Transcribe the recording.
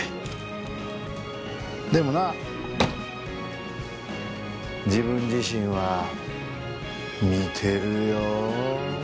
でもな自分自身は見てるよ。